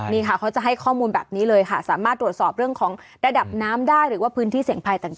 นี่ค่ะเขาจะให้ข้อมูลแบบนี้เลยค่ะสามารถตรวจสอบเรื่องของระดับน้ำได้หรือว่าพื้นที่เสี่ยงภัยต่าง